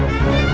ya udah mbak